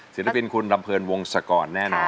ศิลปินคุณลำเพลินวงศกรแน่นอน